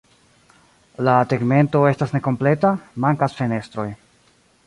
La tegmento estas nekompleta, mankas fenestroj.